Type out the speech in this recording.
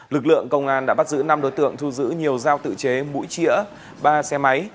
lực lượng công an đã bắt giữ năm đối tượng thu giữ nhiều dao tự chế mũi chĩa ba xe máy